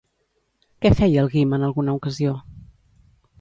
Què feia el Guim en alguna ocasió?